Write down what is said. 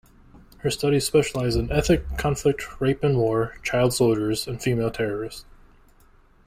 Her studies specialize in ethnic conflict, rape in war, child soldiers, and female terrorists.